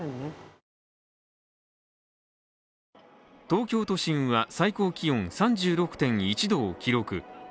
東京都心は最高気温３６．１度を記録。